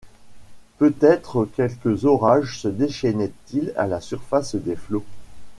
Peut-être quelque orage se déchaînait-il à la surface des flots ?